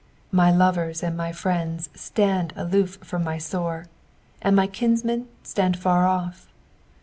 1 1 My lovers and my friends stand aloof from my sore ; and my kinsmen stand afar off.